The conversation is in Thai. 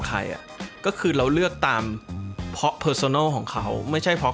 ใครอ่ะก็คือเราเลือกตามเพราะของเขาไม่ใช่เพราะ